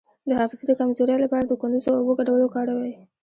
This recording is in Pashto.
د حافظې د کمزوری لپاره د کندر او اوبو ګډول وکاروئ